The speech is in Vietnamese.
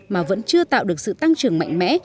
mà vẫn chưa tạo được sự tăng trưởng mạnh mẽ